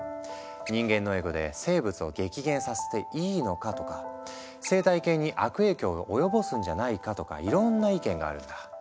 「人間のエゴで生物を激減させていいのか」とか「生態系に悪影響を及ぼすんじゃないか」とかいろんな意見があるんだ。